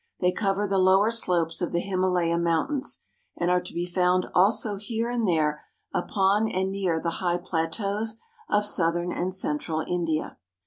They cover the lower slopes of the Himalaya Mountains, and are to be found also here and there upon and near the high plateaus Of southern and central India.